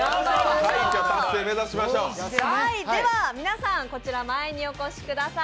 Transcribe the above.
皆さん、前にお越しください